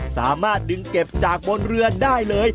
สามารถดึงเก็บจากบนเรือได้เลย